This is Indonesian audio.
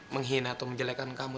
menghina atau menjelekan kamu